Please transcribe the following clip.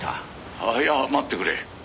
「ああいや待ってくれ」